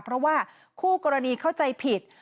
เพราะว่าคู่กรณีเข้าใจผิด